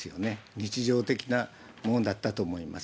日常的なものだったと思います。